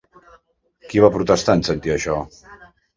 Qui va protestar en sentir això?